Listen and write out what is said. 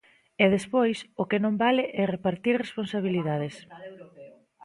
E, despois, o que non vale é repartir responsabilidades.